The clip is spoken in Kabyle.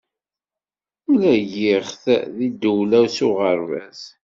Mlagiɣ-t si dewleɣ s uɣerbaz